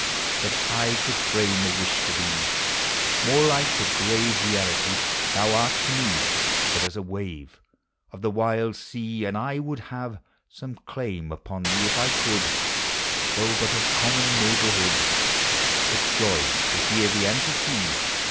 But I could frame a wish for thee More like a grave reality : Thou ai t to me but as a wave Of the wild sea ; and I would have Some claim upon thee, if 1 could, Though but of common neighborhood. What joy to hear thee, and to sec?